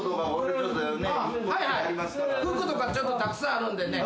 服とかちょっとたくさんあるんでね。